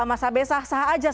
masa besah sah aja